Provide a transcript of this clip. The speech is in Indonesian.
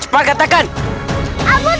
cepat katakan dimana kian santan